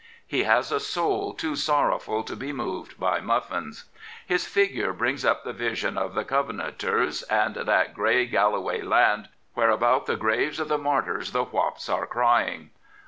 He has a soul too sorrowful to be moved by muffins. His figure brings up the vision of the Covenanters and that grey Galloway land, " where about the graves of the martyrs the whaups are crying."